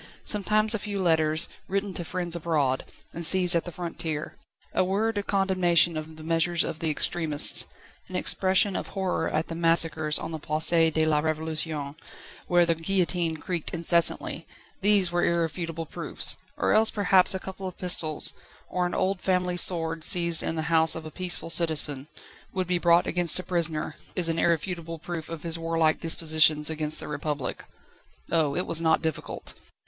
Sometimes a few letters, written to friends abroad, and seized at the frontier; a word of condemnation of the measures of the extremists; and expression of horror at the massacres on the Place de la Révolution, where the guillotine creaked incessantly these were irrefutable proofs; or else perhaps a couple of pistols, or an old family sword seized in the house of a peaceful citizen, would be brought against a prisoner, as an irrefutable proof of his warlike dispositions against the Republic. Oh! it was not difficult!